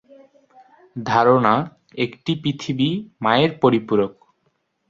ধারণা একটি পৃথিবী মায়ের পরিপূরক।